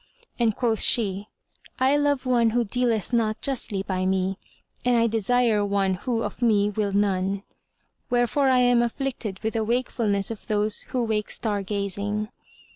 and quoth she, "I love one who dealeth not justly by me and I desire one who of me will none. Wherefore I am afflicted with the wakefulness of those who wake star gazing."